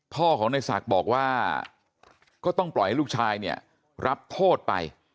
พ่อของในศักดิ์บอกว่าก็ต้องปล่อยให้ลูกชายเนี่ยรับโทษไป